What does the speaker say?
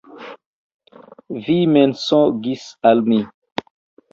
Vi mensogis al mi.